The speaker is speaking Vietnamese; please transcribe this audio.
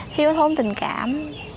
thiếu thốn tình cảm